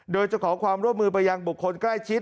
โดยจะขอความร่วมมือไปยังบุคคลใกล้ชิด